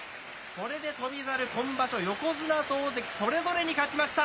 これで翔猿、今場所、横綱と大関、それぞれに勝ちました。